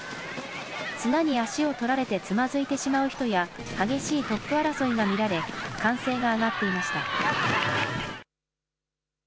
砂に足をとられてつまづいてしまう人や、激しいトップ争いが見られ、歓声が上がっていました。